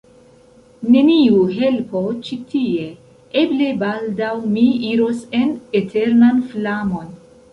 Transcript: neniu helpo ĉi tie: eble baldaŭ mi iros en eternan flamon.